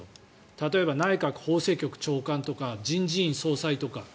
例えば内閣法制局長官とか人事局総裁とか。